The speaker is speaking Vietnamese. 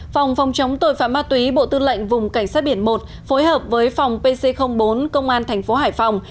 phòng phòng chống tội phạm ma túy bộ tư lệnh vùng cảnh sát biển một phối hợp với phòng pc bốn công an thành phố hải phòng